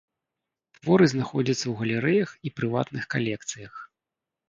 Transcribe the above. Творы знаходзяцца ў галерэях і прыватных калекцыях.